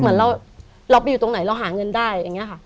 เหมือนเราไปอยู่ตรงไหนเราหาเงินได้อย่างนี้ค่ะ